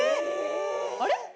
あれ？